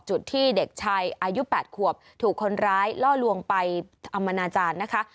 จุดที่เด็กชายอายุ๘ขวบถูกคนร้ายล่อลวงไปอมนาจารย์นะคะ